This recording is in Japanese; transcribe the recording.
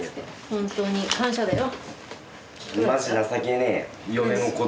本当に感謝だよ。